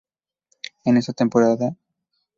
En esta temporada Mr.